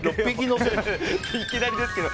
いきなりですけど。